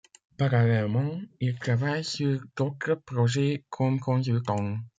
Parallèlement, il travaille sur d’autres projets comme consultant.